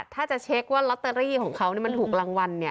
ถ้าจะเช็คว่าลอตเตอรี่ของเขาเนี่ยมันถูกรางวัลเนี่ย